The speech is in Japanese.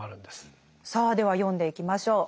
さあでは読んでいきましょう。